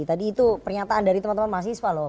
tadi itu pernyataan dari teman teman mahasiswa loh